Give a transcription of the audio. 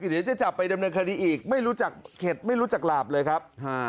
เดี๋ยวจะจับไปดำเนินคดีอีกไม่รู้จักเข็ดไม่รู้จักหลาบเลยครับ